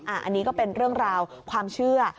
อันนี้ก็เป็นเรื่องราวความเชื่อ